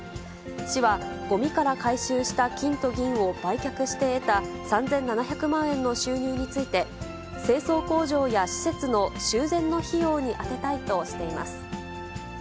市はごみから回収した金と銀を売却して得た３７００万円の収入について、清掃工場や施設の修繕の費用に充てたいとしています。